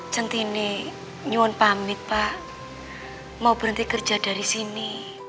centini nyuan pamit pak mau berhenti kerja dari sini